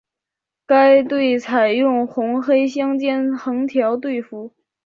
该队采用红黑相间横条队服。